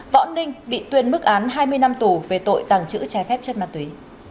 võ ninh bị tuyên mức án hai mươi năm tù về tội tàng trữ trái phép chất ma túy